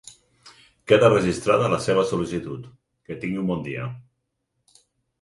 Queda registrada la seva sol·licitud, que tingui un bon dia.